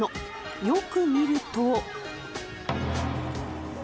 よく見ると。